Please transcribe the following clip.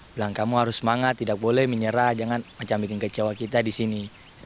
bilang kamu harus semangat tidak boleh menyerah jangan macam bikin kecewa kita di sini